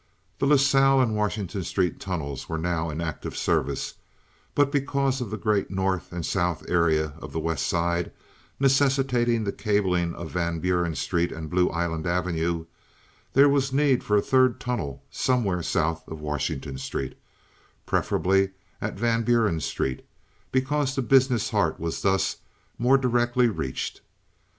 The La Salle and Washington Street tunnels were now in active service, but because of the great north and south area of the West Side, necessitating the cabling of Van Buren Street and Blue Island Avenue, there was need of a third tunnel somewhere south of Washington Street, preferably at Van Buren Street, because the business heart was thus more directly reached.